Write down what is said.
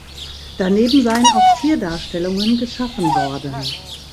Daneben seien auch Tierdarstellungen geschaffen worden.